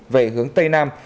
về hướng tây nam